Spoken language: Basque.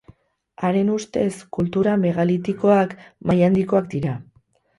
Haren ustez kultura megalitikoak maila handikoak dira.